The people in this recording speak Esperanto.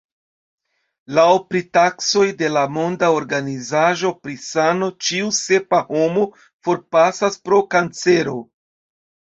Laŭ pritaksoj de la Monda Organizaĵo pri Sano ĉiu sepa homo forpasas pro kancero.